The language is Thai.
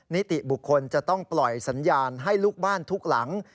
นิติบุคคลจะต้องปล่อยสัญญาณให้ลูกบ้านทุกหลัง